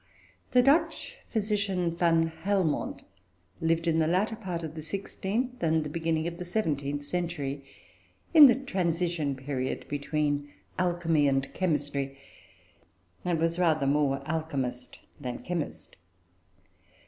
The Dutch physician, Van Helmont, lived in the latter part of the sixteenth and the beginning of the seventeenth century in the transition period between alchemy and chemistry and was rather more alchemist than chemist.